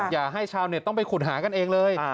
อย่าให้ชาวเน็ตต้องไปขุดหากันเองเลย